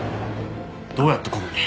どうやってここに？